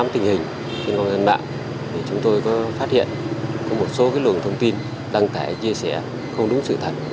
trên công an mạng chúng tôi có phát hiện có một số lượng thông tin đăng tải chia sẻ không đúng sự thật